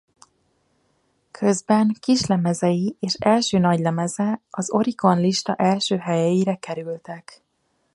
Közben kislemezei és első nagylemeze az Oricon lista első helyeire kerültek.